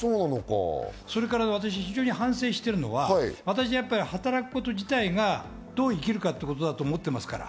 それから非常に反省しているのは働くこと自体がどう生きることかと私は思ってますから。